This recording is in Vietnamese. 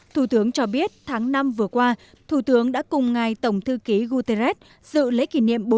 thủ tướng cho biết tháng năm vừa qua thủ tướng đã cùng ngài tổng thư ký guterres dự lễ kỷ niệm